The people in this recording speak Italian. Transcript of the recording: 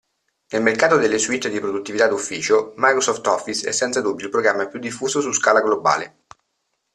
Nel mercato delle suite di produttività d'ufficio Microsoft Office è senza dubbio il programma più diffuso su scala globale.